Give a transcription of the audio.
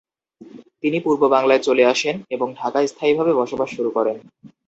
তিনি পূর্ব বাংলায় চলে আসেন এবং ঢাকায় স্থায়ীভাবে বসবাস শুরু করেন।